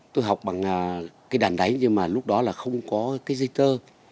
tôi học bằng cái đàn đáy nhưng mà lúc đó là không có cái gì tơ